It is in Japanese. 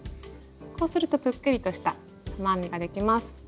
こうするとぷっくりとした玉編みができます。